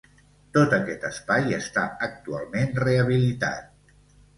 Tot aquest espai està actualment rehabilitat.